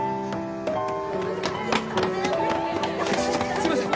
すいません。